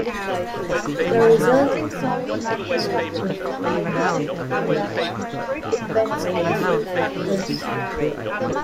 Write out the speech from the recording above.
The resulting solid macrostructure from a eutectic reaction depends on a few factors.